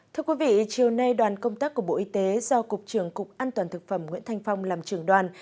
thưa quý vị chiều nay đoàn công tác của bộ y tế do cục trưởng cục an toàn thực phẩm nguyễn thanh phong làm trưởng đoàn